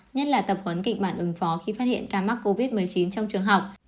nhất là tập huấn kịch bản ứng phó khi phát hiện ca mắc covid một mươi chín trong trường học